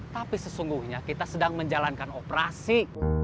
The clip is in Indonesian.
tapi sesungguhnya kita sedang menjalankan operasi